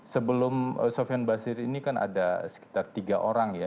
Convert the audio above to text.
sebelum sofian basir ini kan ada sekitar tiga orang ya